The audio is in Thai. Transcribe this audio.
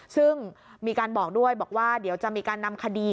ซึ่งมีการบอกด้วยบอกว่าเดี๋ยวจะมีการนำคดี